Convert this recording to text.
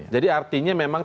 jadi artinya memang